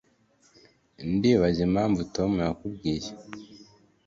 ndibaza impamvu tom yakubwiye